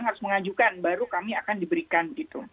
harus mengajukan baru kami akan diberikan gitu